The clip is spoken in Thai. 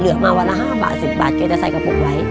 เหลือมาวันละ๕๑๐บาทแกจะใส่กระปุกไว้